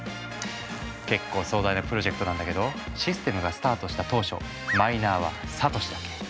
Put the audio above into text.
結構壮大なプロジェクトなんだけどシステムがスタートした当初マイナーはサトシだけ。